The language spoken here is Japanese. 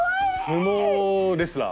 相撲レスラー。